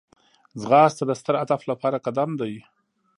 ځغاسته د ستر هدف لپاره قدم دی